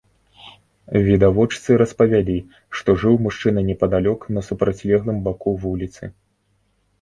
Відавочцы распавялі, што жыў мужчына непадалёк на супрацьлеглым баку вуліцы.